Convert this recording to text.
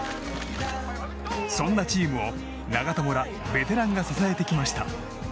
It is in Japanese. そんなチームを長友らベテランが支えてきました。